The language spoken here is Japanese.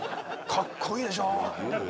かっこいいでしょ